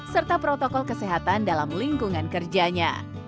serta protokol kesehatan dalam lingkungan kerjanya